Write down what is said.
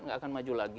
nggak akan maju lagi